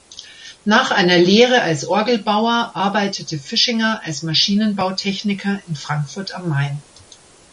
Nach einer Lehre als Orgelbauer arbeitete Fischinger als Maschinenbautechniker in Frankfurt am Main.